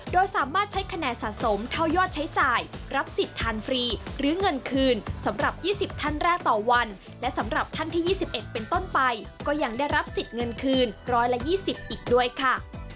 ก็ยังได้รับสิทธิ์เงินคืนร้อยละ๒๐อีกด้วยค่ะ